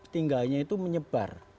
tinggalnya itu menyebar